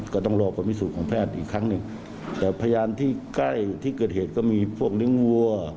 ก็ต้องรอผลพิสูจน์ของแพทย์อีกครั้งหนึ่งแต่พยานที่ใกล้ที่เกิดเหตุก็มีพวกเลี้ยงวัว